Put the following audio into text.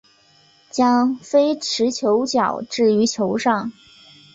将非持球脚置于球上。